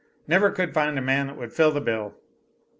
Never could find a man that would fill the bill.